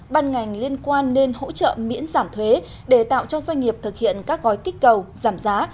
ban ngành liên quan nên hỗ trợ miễn giảm thuế để tạo cho doanh nghiệp thực hiện các gói kích cầu giảm giá